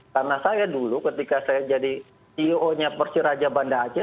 karena saya dulu ketika saya jadi ceo nya persiraja banda aceh